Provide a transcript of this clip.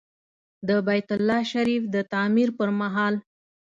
د بیت الله شریف د تعمیر پر مهال.